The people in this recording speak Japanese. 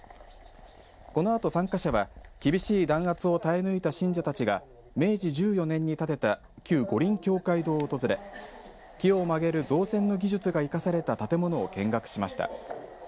このあと参加者は厳しい弾圧を耐え抜いた信者たちが明治１４年に建てた旧五輪教会堂を訪れ木を曲げる造船の技術が生かされた建物を見学しました。